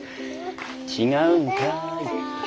違うんかい。